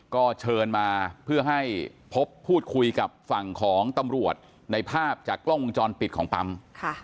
ก็เชิญมาเพื่อให้พบพูดคุยกับฝั่งของตำรวจในภาพจากกล้องวงจรปิดของปั๊ม